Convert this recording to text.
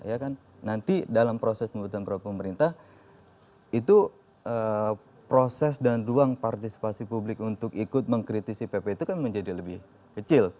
ya kan nanti dalam proses pembentukan peraturan pemerintah itu proses dan ruang partisipasi publik untuk ikut mengkritisi pp itu kan menjadi lebih kecil